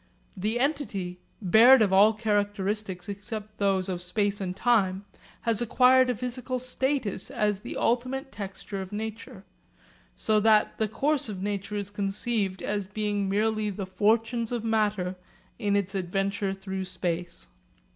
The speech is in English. The entity, bared of all characteristics except those of space and time, has acquired a physical status as the ultimate texture of nature; so that the course of nature is conceived as being merely the fortunes of matter in its adventure through space.